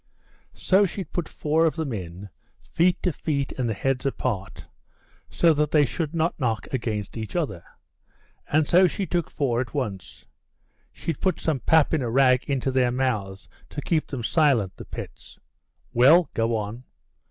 So she'd put four of them in, feet to feet and the heads apart, so that they should not knock against each other. And so she took four at once. She'd put some pap in a rag into their mouths to keep 'em silent, the pets." "Well, go on."